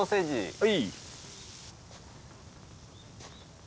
はい。